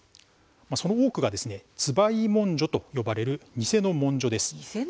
その多くが椿井文書と呼ばれる偽の文書です。